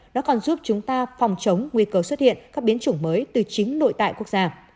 nó còn giúp chúng ta phòng chống nguy cơ xuất hiện các biến chủng mới từ chính nội tại quốc gia